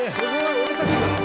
俺たちだ！